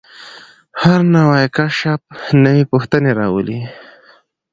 هر نوی کشف نوې پوښتنې راولي.